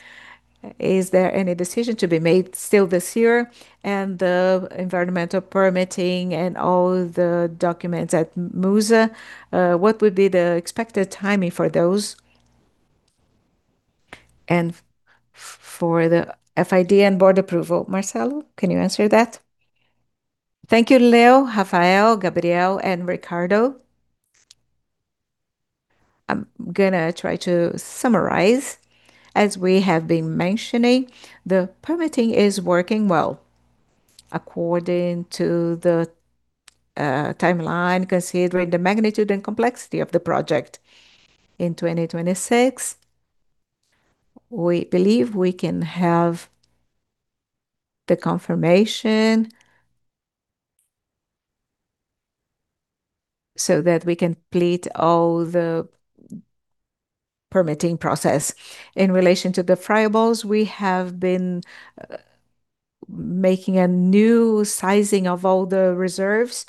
Is there any decision to be made still this year? And the environmental permitting and all the documents at Musa, what would be the expected timing for those and for the FID and board approval? Marcelo, can you answer that? Thank you, Leo, Rafael, Gabriel, and Ricardo. I'm going to try to summarize. As we have been mentioning, the permitting is working well according to the timeline, considering the magnitude and complexity of the project. In 2026, we believe we can have the confirmation so that we complete all the permitting process. In relation to the friables, we have been making a new sizing of all the reserves.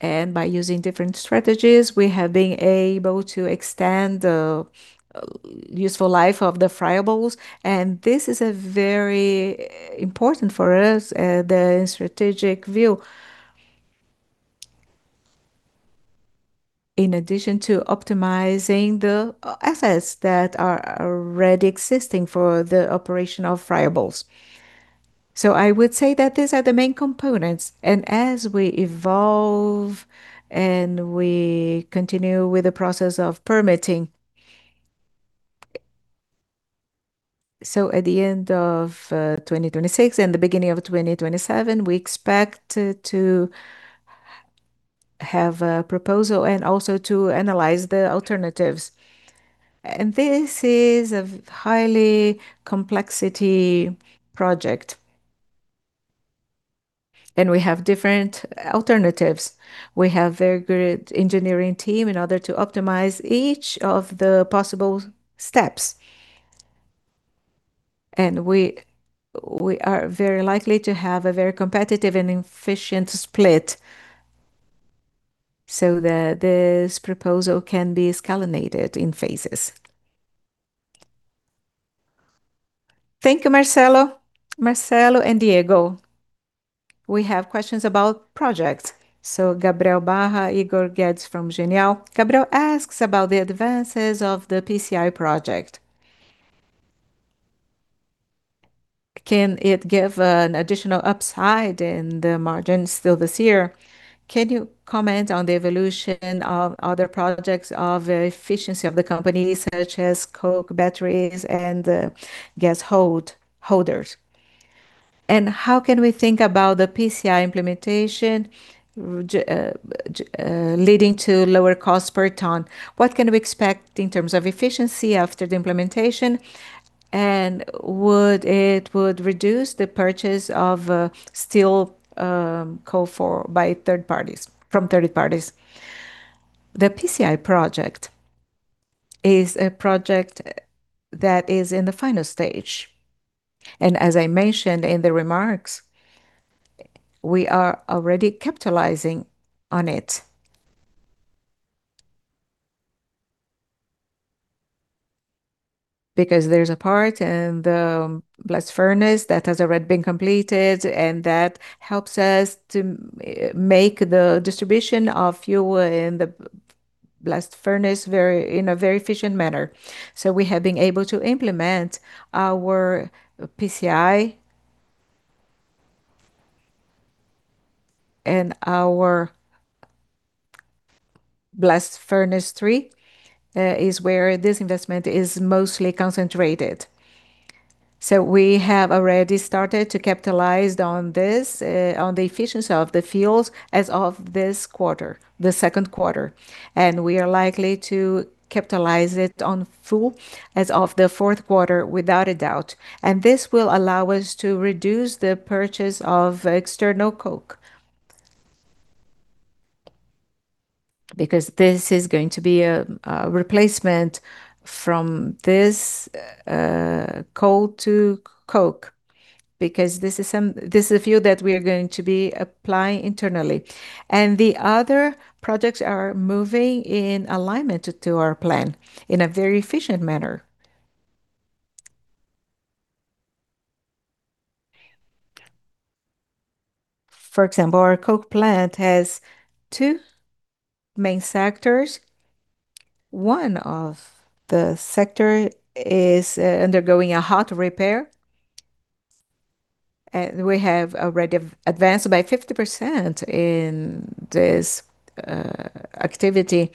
By using different strategies, we have been able to extend the useful life of the friables. This is very important for us, the strategic view in addition to optimizing the assets that are already existing for the operation of friables. I would say that these are the main components. As we evolve and we continue with the process of permitting, so at the end of 2026 and the beginning of 2027, we expect to have a proposal and also to analyze the alternatives. This is a highly complex project, and we have different alternatives. We have very good engineering team in order to optimize each of the possible steps. We are very likely to have a very competitive and efficient split so that this proposal can be escalated in phases. Thank you, Marcelo. Marcelo And Diego. We have questions about projects. Gabriel Barra, Igor Guedes from Genial. Gabriel asks about the advances of the PCI project. Can it give an additional upside in the margins still this year? Can you comment on the evolution of other projects of efficiency of the company, such as coke batteries, and the gas holders? How can we think about the PCI implementation leading to lower cost per ton? What can we expect in terms of efficiency after the implementation? Would it reduce the purchase of coking coal from third parties? The PCI project is a project that is in the final stage. As I mentioned in the remarks, we are already capitalizing on it because there's a part in the blast furnace that has already been completed, and that helps us to make the distribution of fuel in the blast furnace in a very efficient manner. We have been able to implement our PCI and our Blast Furnace 3 is where this investment is mostly concentrated. We have already started to capitalize on the efficiency of the fuels as of this quarter, the second quarter. We are likely to capitalize it on full as of the fourth quarter without a doubt. This will allow us to reduce the purchase of external coke. Because this is going to be a replacement from this coal to coke because this is a fuel that we are going to be applying internally. The other projects are moving in alignment to our plan in a very efficient manner. For example, our coke plant has two main sectors. One of the sector is undergoing a hot repair. We have already advanced by 50% in this activity.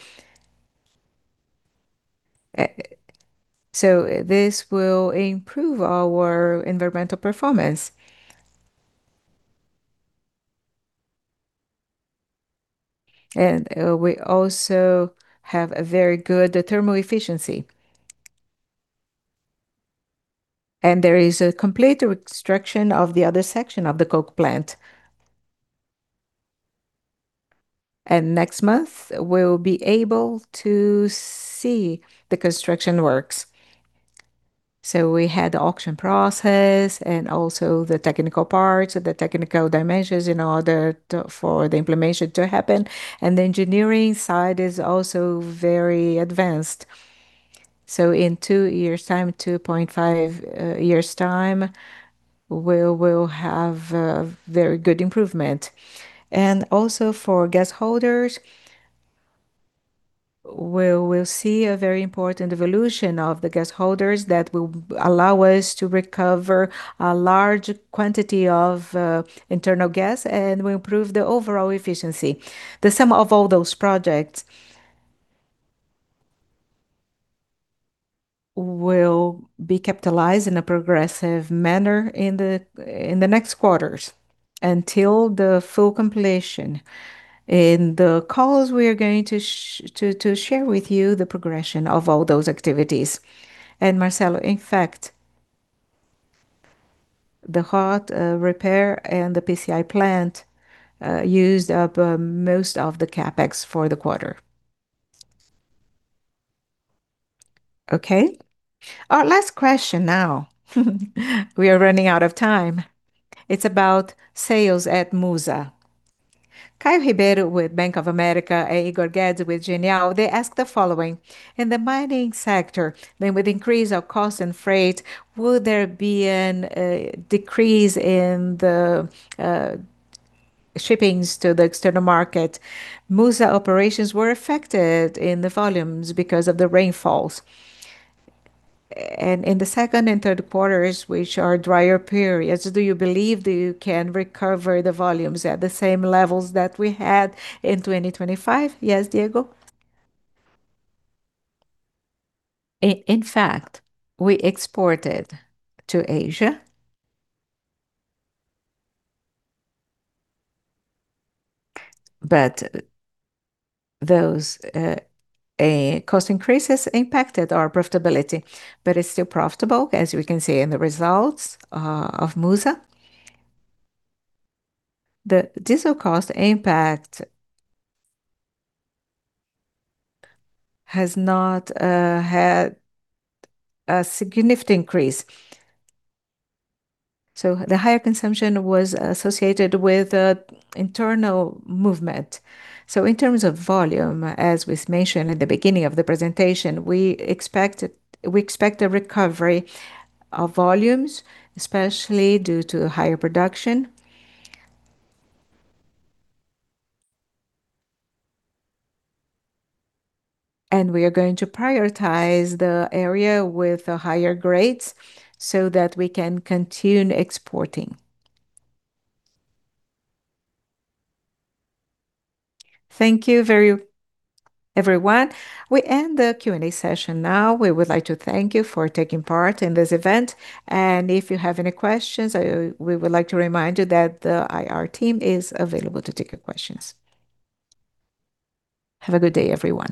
This will improve our environmental performance. We also have a very good thermal efficiency. There is a complete reconstruction of the other section of the coke plant. Next month, we'll be able to see the construction works. We had the auction process and also the technical parts or the technical dimensions in order for the implementation to happen. The engineering side is also very advanced. In two years' time, 2.5 years' time, we will have a very good improvement. Also for gas holders, we'll see a very important evolution of the gas holders that will allow us to recover a large quantity of internal gas, and will improve the overall efficiency. The sum of all those projects will be capitalized in a progressive manner in the next quarters until the full completion. In the calls, we are going to share with you the progression of all those activities. Marcelo, in fact, the hot repair and the PCI plant used up most of the CapEx for the quarter. Okay. Our last question now. We are running out of time. It's about sales at Musa. Caio Ribeiro with Bank of America and Igor Guedes with Genial, they ask the following. In the mining sector, with increase of cost and freight, will there be a decrease in the shipments to the external market? MUSA operations were affected in the volumes because of the rainfalls. In the second and third quarters, which are drier periods, do you believe that you can recover the volumes at the same levels that we had in 2025? Yes, Diego. In fact, we exported to Asia. Those cost increases impacted our profitability, but it's still profitable, as we can see in the results of MUSA. The diesel cost impact has not had a significant increase. The higher consumption was associated with internal movement. In terms of volume, as was mentioned at the beginning of the presentation, we expect a recovery of volumes, especially due to higher production. We are going to prioritize the area with higher grades so that we can continue exporting. Thank you, everyone. We end the Q&A session now. We would like to thank you for taking part in this event. If you have any questions, we would like to remind you that the IR team is available to take your questions. Have a good day, everyone.